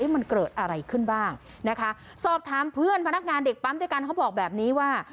มันเกิดอะไรขึ้นบ้างนะคะสอบถามเพื่อนพนักงานเด็กปั๊มด้วยกันเขาบอกแบบนี้ว่า